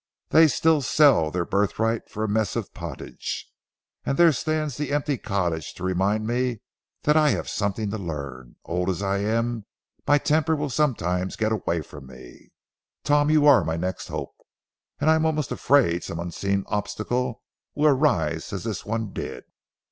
They still sell their birthright for a mess of pottage. And there stands the empty cottage to remind me that I have something to learn. Old as I am, my temper will sometimes get away from me. Tom, you are my next hope, and I am almost afraid some unseen obstacle will arise as this one did.